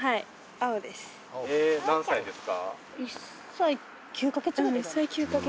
何歳ですか？